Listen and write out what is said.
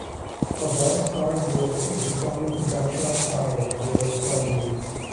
A boys choir group is responding to gunshots fired during a ceremony.